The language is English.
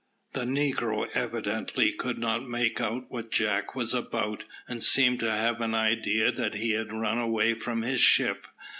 The negro evidently could not make out what Jack was about, and seemed to have an idea that he had run away from his ship.